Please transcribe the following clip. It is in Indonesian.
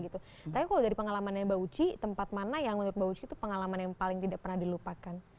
tapi kalau dari pengalamannya mbak uci tempat mana yang menurut mbak uci itu pengalaman yang paling tidak pernah dilupakan